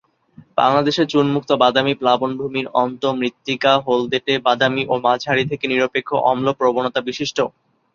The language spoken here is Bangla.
বাংলাদেশে চুনমুক্ত বাদামি প্লাবনভূমির অন্তর্মৃত্তিকা হলদেটে-বাদামি ও মাঝারি থেকে নিরপেক্ষ অম্ল প্রবণতা-বিশিষ্ট।